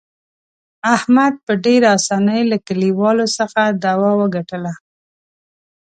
احمد په ډېر اسانۍ له کلیوالو څخه دعوه وګټله.